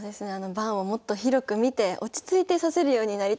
盤をもっと広く見て落ち着いて指せるようになりたいなと思いますね。